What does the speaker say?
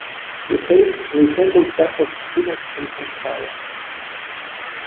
The taste resembles that of spinach and samphire.